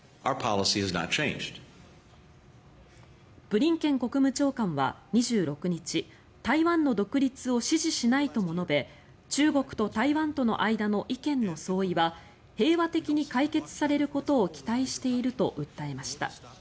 ブリンケン国務長官は２６日台湾の独立を支持しないとも述べ中国と台湾との間の意見の相違は平和的に解決されることを期待していると訴えました。